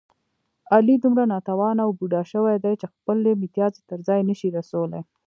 علي دومره ناتوانه و بوډا شوی دی، چې خپل متیازې تر ځایه نشي رسولی.